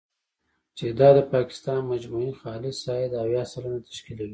چې دا د پاکستان د مجموعي خالص عاید، اویا سلنه تشکیلوي.